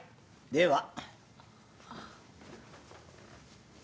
では。